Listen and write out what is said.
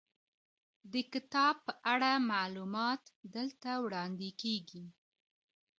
د کتاب په اړه معلومات دلته وړاندې کیږي.